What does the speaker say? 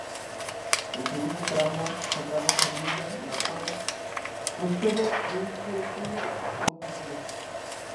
El segundo tramo, Sagrada Familia-La Pau, constaba de un solo túnel con dos vías.